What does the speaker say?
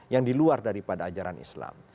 yang diluar daripada ajaran islam